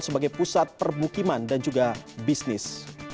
sebagai pusat permukiman dan juga bisnis